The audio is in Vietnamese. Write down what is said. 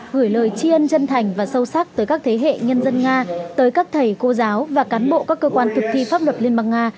gửi lời chi ân chân thành và sâu sắc tới các thế hệ nhân dân nga tới các thầy cô giáo và cán bộ các cơ quan thực thi pháp luật liên bang nga